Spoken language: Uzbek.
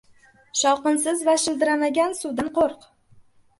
• Shovqinsiz va shildiramagan suvdan qo‘rq.